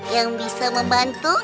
yang bisa membantu